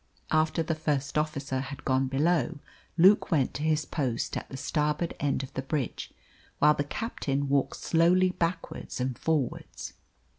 After the first officer had gone below, Luke went to his post at the starboard end of the bridge, while the captain walked slowly backwards and forwards.